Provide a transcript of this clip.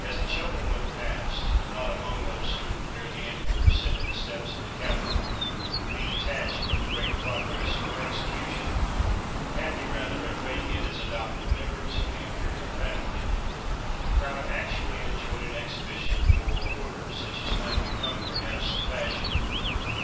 As the children went past—not among those who, ere the emperor ascended the steps of the Capitol, would be detached from the great progress for execution, happy rather, and radiant, as adopted members of the imperial family—the crowd actually enjoyed an exhibition of the moral order, such as might become perhaps the fashion.